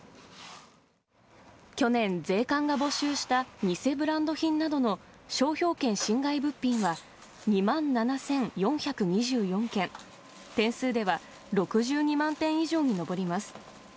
去年、税関が没収した偽ブランド品などの商標権侵害物品は２万７４２４件、点数では６２万点以上に上ります。